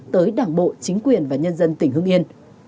tới đảng bộ chính quyền và nhân dân tỉnh hưng yên